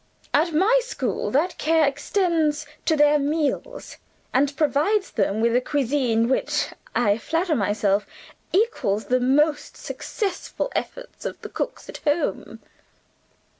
"At my school, that care extends to their meals, and provides them with a cuisine which, I flatter myself, equals the most successful efforts of the cooks at home."